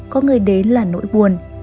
có người đến là nỗi buồn